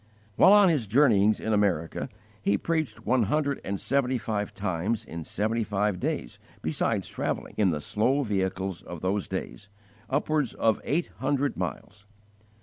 While on his journeyings in America, he preached one hundred and seventy five times in seventy five days, besides travelling, in the slow vehicles of those days, upwards of eight hundred miles.